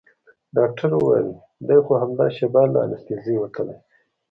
ډاکتر وويل دى خو همدا شېبه له انستيزي وتلى.